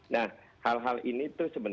nah hal hal ini